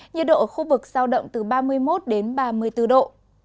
nhiệt độ ở khu vực giao động từ ba mươi một ba mươi bốn độ